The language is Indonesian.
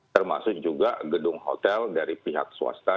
termasuk juga gedung hotel dari pihak swasta